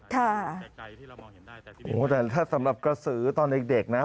แต่ถ้าสำหรับกระสือตอนเด็กนะ